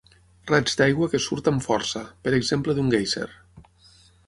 Raig d'aigua que surt amb força, per exemple d'un guèiser.